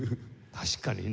確かにね。